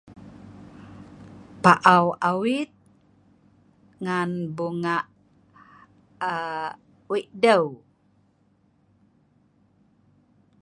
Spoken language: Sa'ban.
pa'au awit ngan bunga aa weik deu